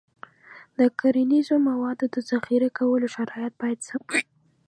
د کرنیزو موادو د ذخیره کولو شرایط باید سم وي.